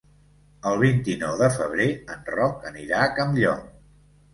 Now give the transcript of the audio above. El vint-i-nou de febrer en Roc anirà a Campllong.